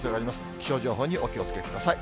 気象情報にお気をつけください。